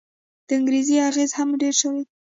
د انګرېزي اغېز هم ډېر شوی.